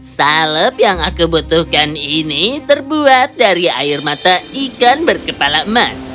salep yang aku butuhkan ini terbuat dari air mata ikan berkepala emas